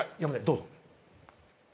どうぞ。